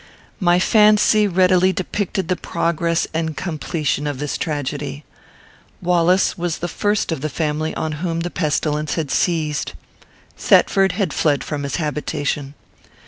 My fancy readily depicted the progress and completion of this tragedy. Wallace was the first of the family on whom the pestilence had seized. Thetford had fled from his habitation.